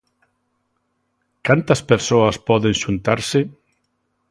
Cantas persoas poden xuntarse?